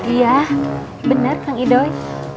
iya bener kang idoi